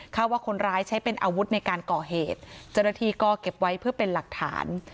ว่าคนร้ายใช้เป็นอาวุธในการก่อเหตุเจ้าหน้าที่ก็เก็บไว้เพื่อเป็นหลักฐาน